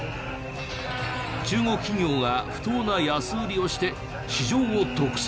「中国企業が不当な安売りをして市場を独占している！」